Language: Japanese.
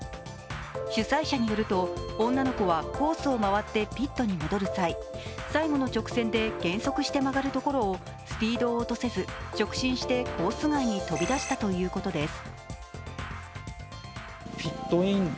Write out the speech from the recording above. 主催者によると、女の子はコースを回ってピットに戻る際、最後の直線で減速して曲がるところをスピードを落とせず、直進してコース外に飛び出したということです。